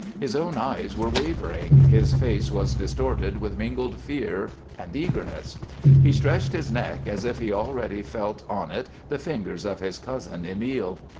His own eyes were wavering; his face was distorted with mingled fear and eagerness. He stretched his neck, as if he already felt on it the fingers of his cousin Emile.